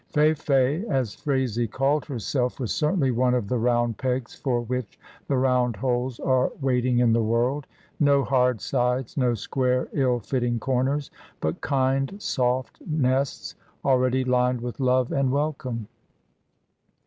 Fayfay, as Phraisie called herself, was certainly one of the round pegs for which the round holes are waiting in the world — no hard sides, no square ill fitting corners, but kind, soft nests, already lined with love and welcome.